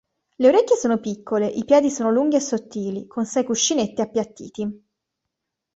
Le orecchie sono piccole, i piedi sono lunghi e sottili, con sei cuscinetti appiattiti.